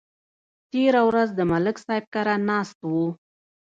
تېره ورځ د ملک صاحب کره ناست وو